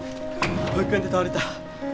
保育園で倒れた。